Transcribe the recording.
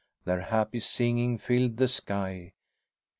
Their happy singing filled the sky.